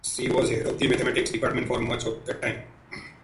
She was head of the mathematics department for much of that time.